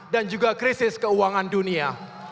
dan juga krisis keuangan dunia